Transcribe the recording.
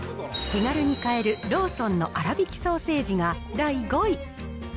手軽に買えるローソンのあらびきソーセージが第５位。